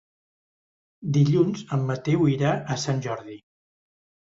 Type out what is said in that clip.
Dilluns en Mateu irà a Sant Jordi.